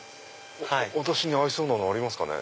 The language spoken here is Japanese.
私に合いそうなのありますかね。